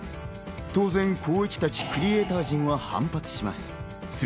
当然、光一たちクリエイター陣は反発します。